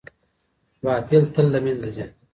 باطل تل له منځه ځي.